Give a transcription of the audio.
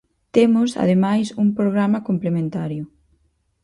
Temos, ademais, un programa complementario.